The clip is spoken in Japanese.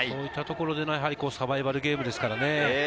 こういったところでのサバイバルゲームですからね。